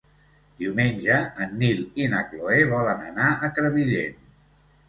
Diumenge en Nil i na Cloè volen anar a Crevillent.